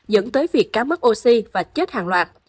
dẫn tới việc cá mất oxy và chết hàng loạt